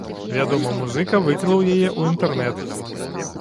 Вядомы музыка выклаў яе ў інтэрнэт.